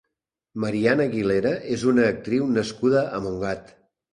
Marián Aguilera és una actriu nascuda a Montgat.